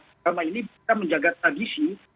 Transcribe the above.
agama ini bisa menjaga tradisi